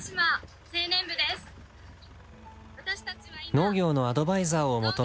農業のアドバイザーを求め